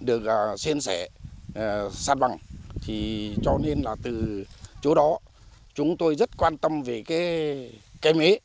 được xuyên xẻ sát bằng cho nên là từ chỗ đó chúng tôi rất quan tâm về cây mía